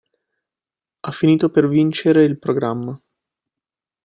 Ha finito per vincere il programma.